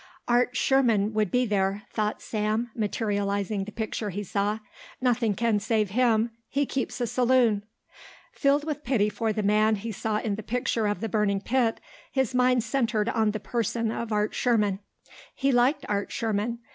"Art Sherman would be there," thought Sam, materialising the picture he saw; "nothing can save him; he keeps a saloon." Filled with pity for the man he saw in the picture of the burning pit, his mind centered on the person of Art Sherman. He liked Art Sherman.